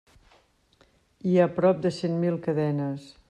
Hi ha prop de cent mil cadenes.